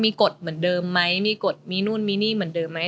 มีกฎเหมือนเดิมไหมมีกฎมีนู่นมีนี่เหมือนเดิมไหม